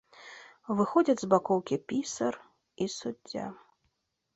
Выходзяць з бакоўкі пісар і суддзя.